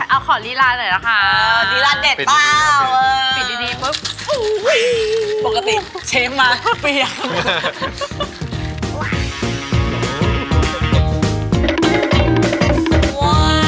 เอาขอลีลาหน่อยนะคะลีลาเด็ดเปล่าปิดดีปุ๊บปกติเชฟมาเปรี้ยว